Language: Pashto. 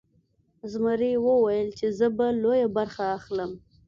زمري ویل چې زه به لویه برخه اخلم.